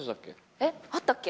えっ！あったっけ？